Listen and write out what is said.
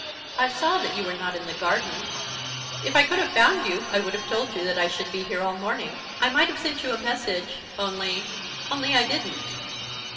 "I saw that you were not in the garden." "If I could have found you I would have told you that I should be here all the morning. I might have sent you a message, only only I didn't."